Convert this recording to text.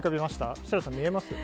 設楽さん、見えます？